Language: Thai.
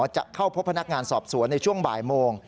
จะเข้าพบพนักงานสอบสวนในช่วงบ่ายโมง